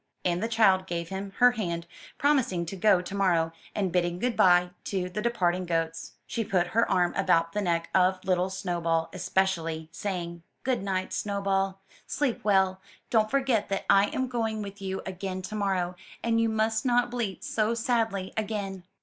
And the child gave him her hand, promising to go to morrow, and bidding good bye to the departing goats. She put her arm about the neck of little Snow ball especially, saying, "Good night, Snowball; sleep well; don't forget that I am going with you again to morrow, and you must not bleat so sadly again."